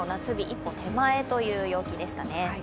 一歩手前という陽気でしたね。